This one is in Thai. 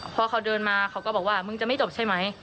พอเขาเดินมาเขาก็บอกว่ามึงจะไม่จบใช่ไหม